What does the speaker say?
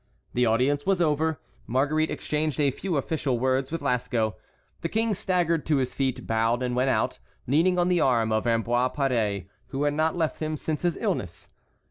The audience was over. Marguerite exchanged a few unofficial words with Lasco. The King staggered to his feet, bowed, and went out, leaning on the arm of Ambroise Paré, who had not left him since his illness.